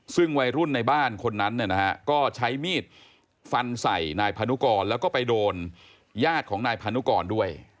ซึ่งวัยรุ่นในบ้านคนนั้นเนี่ยนะฮะก็ใช้มีดฟันใส่นายพานุกรแล้วก็ไปโดนญาติของนายพานุกรด้วย